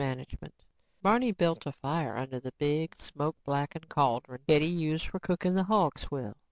Barney built a fire under the big, smoke blackened cauldron Hetty used for cooking the hog swill.